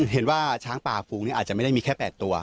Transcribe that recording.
เห็นว่าช้างป่าฟูงนี้อาจจะไม่ได้มีแค่๘ตัว